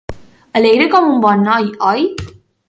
Alegre com un bon noi, oi?